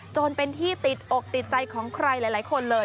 จนเป็นที่ติดอกติดใจของใครหลายคนเลย